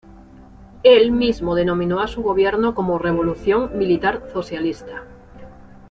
Él mismo denominó a su gobierno como "Revolución Militar Socialista".